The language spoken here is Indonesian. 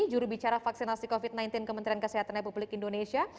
jurubicara vaksinasi covid sembilan belas kementerian kesehatan republik indonesia